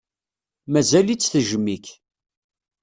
Mazal-itt tejjem-ik.